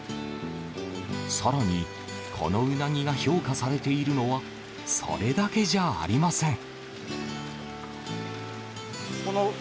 更に、このうなぎが評価されているのはそれだけじゃありません。